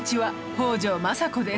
北条政子です。